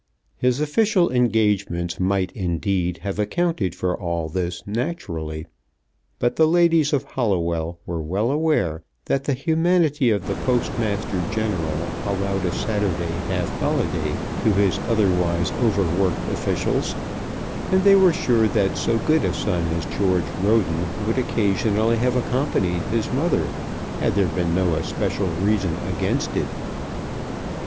His official engagements might, indeed, have accounted for all this naturally; but the ladies of Holloway were well aware that the humanity of the Postmaster General allowed a Saturday half holiday to his otherwise overworked officials, and they were sure that so good a son as George Roden would occasionally have accompanied his mother, had there been no especial reason against it.